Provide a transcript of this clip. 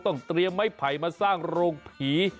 ต้องเตรียมไม้ไผ่มาสร้างโรงผี